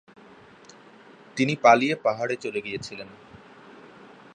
তিনি পালিয়ে পাহাড়ে চলে গিয়েছিলেন।